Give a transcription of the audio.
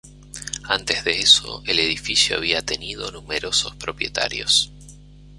Antes de eso el edificio había tenido numerosos propietarios.